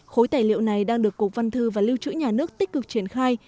khối tài liệu này đang được cục văn thư và lưu trữ nhà nước tích cực triển khai